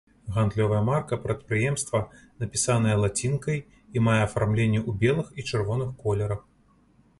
Гандлёвая марка прадпрыемства напісаная лацінкай і мае афармленне ў белых і чырвоных колерах.